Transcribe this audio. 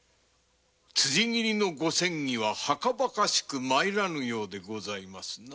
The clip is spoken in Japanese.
辻斬りのご詮議ははかばかしゅう参らぬようでございますな。